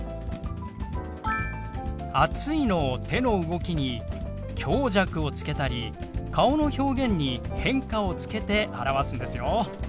「暑い」の手の動きに強弱をつけたり顔の表現に変化をつけて表すんですよ。